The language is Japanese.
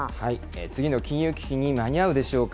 次の金融危機に間に合うでしょうか。